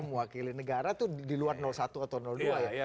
mewakili negara itu di luar satu atau dua ya